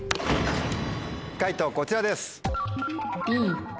解答こちらです。